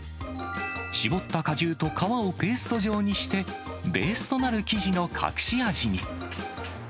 搾った果汁と皮をペースト状にして、ベースとなる生地の隠し味に。